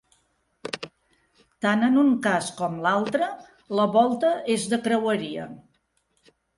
Tant en un cas com en l'altre, la volta és de creueria.